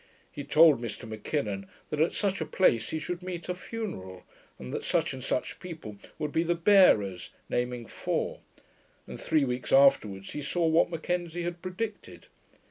He told Mr M'Kinnon, that at such a place he should meet a funeral, and that such and such people would be the bearers, naming four; and three weeks afterwards he saw what M'Kenzie had predicted.